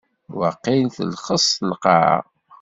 Waqil telxes lqaɛa.